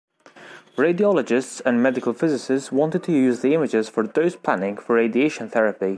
Radiologists and medical physicists wanted to use the images for dose-planning for radiation therapy.